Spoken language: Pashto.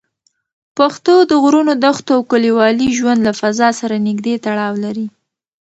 پښتو د غرونو، دښتو او کلیوالي ژوند له فضا سره نږدې تړاو لري.